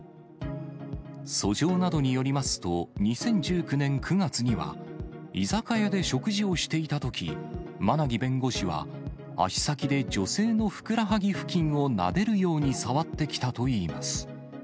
訴状などによりますと、２０１９年９月には、居酒屋で食事をしていたとき、馬奈木弁護士は、足先で女性のふくらはぎ付近をなでるように触ってきたといいます。